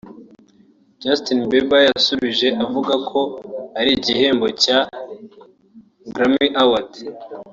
Justin Bieber yasubije avuga ko ari igihembo cya Grammy Award